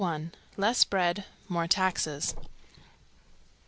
LESS BREAD! MORE TAXES!